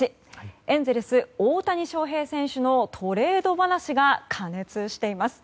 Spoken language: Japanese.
エンゼルス、大谷翔平選手のトレード話が過熱しています。